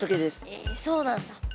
えそうなんだ。